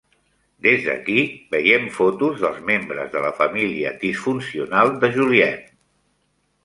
Des d'aquí, veiem fotos dels membres de la família disfuncional de Julien.